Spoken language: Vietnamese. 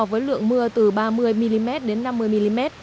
với lượng mưa từ ba mươi mm đến năm mươi mm